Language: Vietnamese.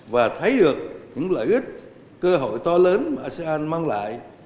và thấy được những lợi ích cơ hội to lớn mà asean mang lại